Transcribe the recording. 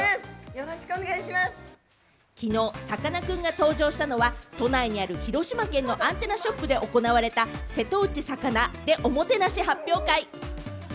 昨日、さかなクンが登場したのは都内にある広島県のアンテナショップで行われた「“瀬戸内さかな”でおもてなし発表会」。